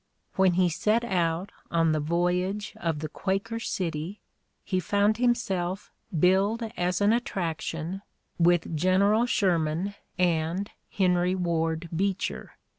When he set out on the voyage of the Quaker City he found himself "billed as an attraction" with General Sher man and Henry Ward Beecher.